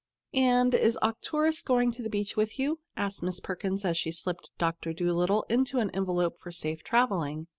"And is Arcturus going to the beach with you?" asked Miss Perkins as she slipped "Doctor Dolittle" into an envelope for safe traveling.